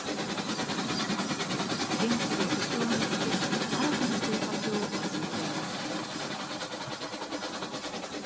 現地で職を見つけ新たな生活を始めています。